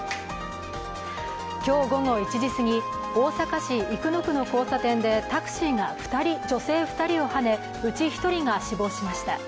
今日午後１時すぎ、大阪市生野区の交差点でタクシーが女性２人をはねうち１人が死亡しました。